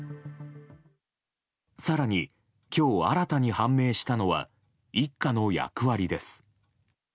更に、今日新たに判明したのは一家の役割です。